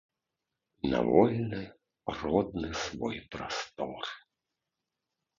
На вольны родны свой прастор.